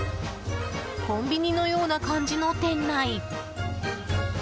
コンビニのような感じの店内。